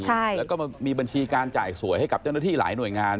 ใช่แล้วก็มีบัญชีการจ่ายสวยให้กับเจ้าหน้าที่หลายหน่วยงาน